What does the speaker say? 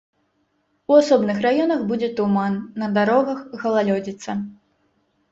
У асобных раёнах будзе туман, на дарогах галалёдзіца.